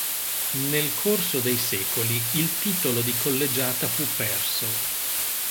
Nel corso dei secoli il titolo di collegiata fu perso.